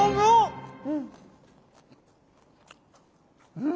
うん！